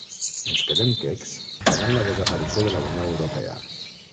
Ens quedem quecs davant la desaparició de la Unió Europea.